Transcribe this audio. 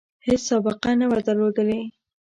هیڅ سابقه نه وه درلودلې.